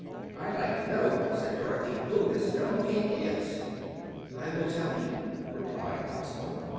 "I'd like to know," said Dorothy, "who this Nome King is?" "I will tell you," replied Ozma.